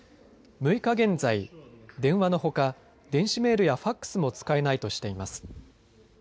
６日現在、電話のほか電子メールやファックスも使えないとしています。